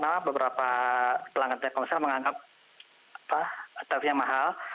jadi memang beberapa pelanggan telkomsel menganggap tarifnya mahal